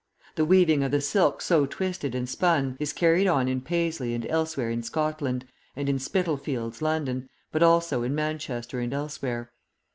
The weaving of the silk so twisted and spun is carried on in Paisley and elsewhere in Scotland, and in Spitalfields, London, but also in Manchester and elsewhere.